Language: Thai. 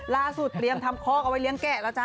ล่าสุดเลี้ยงทำคอกเอาไว้เลี้ยงแกะแล้วจ๊ะ